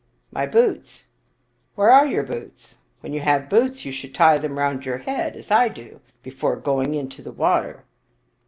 " My boots." "Where are your boots? When you have boots, you should tie them round your head, as I do, before going into the water."